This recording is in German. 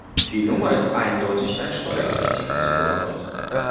Die Nummer ist eindeutig einem Steuerpflichtigen zugeordnet.